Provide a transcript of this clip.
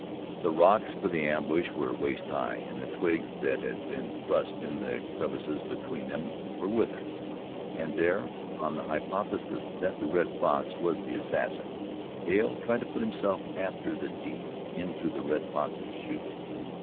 The rocks for the ambush were waist high, and the twigs that had been thrust in the crevices between them were withered. And there, on the hypothesis that the Red Fox was the assassin, Hale tried to put himself, after the deed, into the Red Fox's shoes.